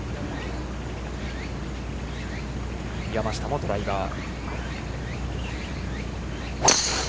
山下もドライバー。